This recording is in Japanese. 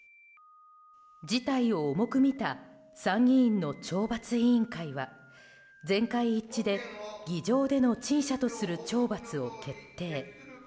事態を重くみた参議院の懲罰委員会は全会一致で議場での陳謝とする懲罰を決定。